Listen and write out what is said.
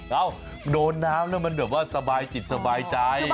เราโดนน้ำแล้วมันด้วยมันแบบว่าสบายจิตสบายใจ